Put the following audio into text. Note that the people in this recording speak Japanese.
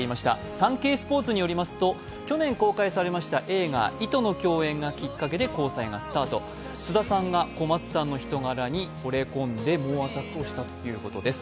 「サンケイスポーツ」によりますと去年公開されました映画「糸」の共演をきっかけに交際がスタート、菅田さんが小松さんの人柄にほれ込んで、猛アタックをしたということです。